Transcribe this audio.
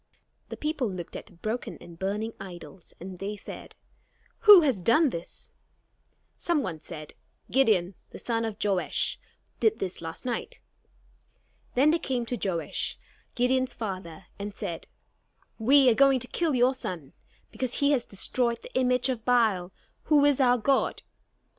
The people looked at the broken and burning idols; and they said: "Who has done this?" Some one said: "Gideon, the son of Joash, did this last night." Then they came to Joash, Gideon's father, and said: "We are going to kill your son because he has destroyed the image of Baal, who is our god."